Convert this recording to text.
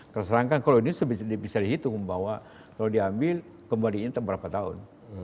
kerasaangkan kalau ini bisa dihitung bahwa kalau diambil kembaliin ke beberapa tahun